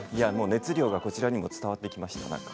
熱量がこちらにも伝わってきました。